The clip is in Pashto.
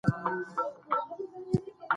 که ژبه مو زده وي نو ستونزې نه راځي.